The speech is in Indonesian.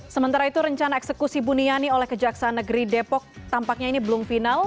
sementara itu rencana eksekusi buniani oleh kejaksaan negeri depok tampaknya ini belum final